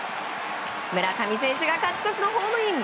村上選手が勝ち越しのホームイン。